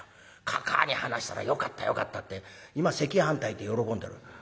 かかあに話したらよかったよかったって今赤飯炊いて喜んでる」。